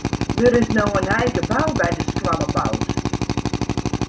Der is no in nij gebou by de skoalle boud.